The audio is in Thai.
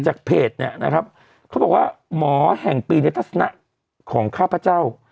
จากเพจเนี่ยนะครับเขาบอกว่าหมอแห่งปีในทัศนะของข้าพเจ้า